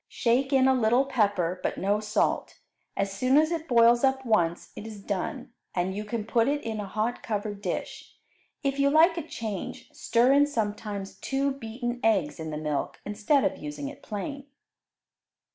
Shake in a little pepper, but no salt. As soon as it boils up once, it is done, and you can put it in a hot covered dish. If you like a change, stir in sometimes two beaten eggs in the milk instead of using it plain.